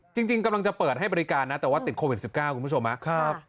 จริงกำลังจะเปิดให้บริการนะแต่ว่าติดโควิด๑๙คุณผู้ชมครับ